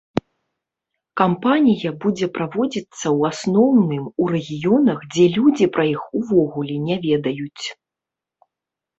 Кампанія будзе праводзіцца, у асноўным, у рэгіёнах, дзе людзі пра іх увогуле не ведаюць.